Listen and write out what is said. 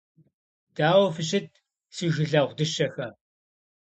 Дауэ фыщыт, си жылэгъу дыщэхэ!